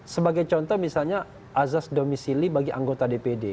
sebagai contoh misalnya azas domisili bagi anggota dpd